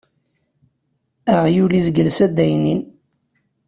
Aɣyul izgel s addaynin.